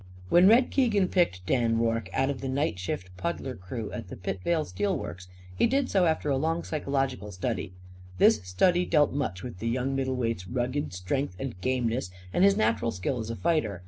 When Red Keegan picked Dan Rorke out of the night shift puddler crew at the Pitvale Steel Works he did so after a long psychological study. This study dealt much with the young middleweight's rugged strength and gameness and his natural skill as a fighter.